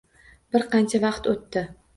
Bir qancha vaqt o`tdi